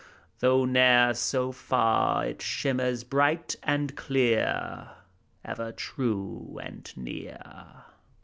Though ne'er so far, It shimmers bright and clear, Ever true and near.